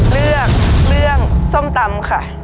เลือกเรื่องส้มตำค่ะ